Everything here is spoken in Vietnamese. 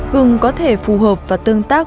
gừng có thể phù hợp và tương tác